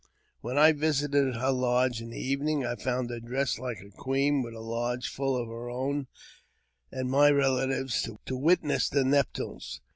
When I visited her lodge in the evening I found her dressed like a queen, with a lodge full of her own and my relatives to witness the nuptials.